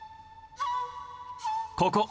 ここ！